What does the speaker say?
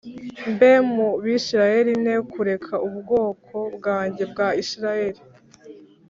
mbe mu Bisirayeli ne kureka ubwoko bwanjye bwa Isirayeli